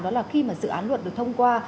đó là khi mà dự án luật được thông qua